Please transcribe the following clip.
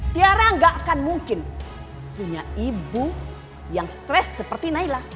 tiara gak akan mungkin punya ibu yang stres seperti naila